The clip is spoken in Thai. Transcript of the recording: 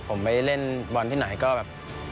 ผมไปเล่นบอลที่ไหนก็แบบ